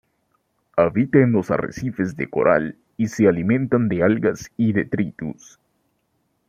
Habita en los arrecifes de coral y se alimentan de algas y detritus.